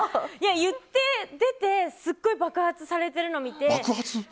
言って出てすごい爆発されてるのを見て。